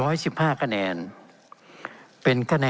เป็นของสมาชิกสภาพภูมิแทนรัฐรนดร